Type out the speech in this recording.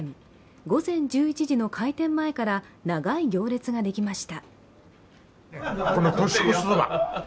午前１１時の開店前から長い行列ができました。